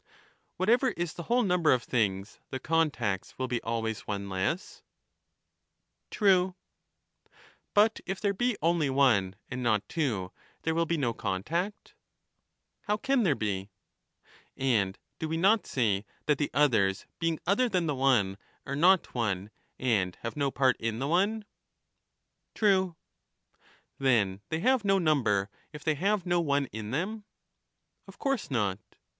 Whatever is the whole number of things, the contacts will be always one less. True. Digitized by VjOOQIC The one equal to itself, 79 But if there be only one, and not two, there will be no Par contact? "^^''^ How can there be? wo"^"* And do we not say that the others being other than the one are not one and have no part in the one ? True. Then they have no number, if they have no one in them ? Of course not.